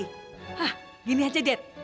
hah gini aja dad